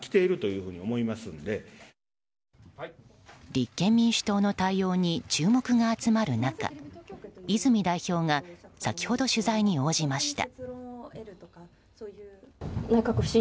立憲民主党の対応に注目が集まる中泉代表が先ほど取材に応じました。